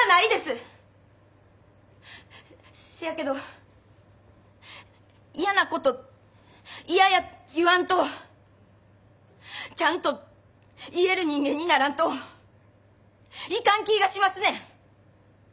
せやけど嫌なこと嫌や言わんとちゃんと言える人間にならんといかん気ぃがしますねん。